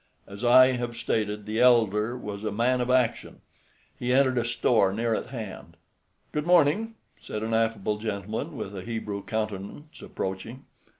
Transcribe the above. As I have stated, the elder was a man of action. He entered a store near at hand. "Good morning," said an affable gentleman with a Hebrew countenance, approaching.